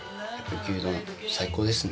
牛丼、最高ですね。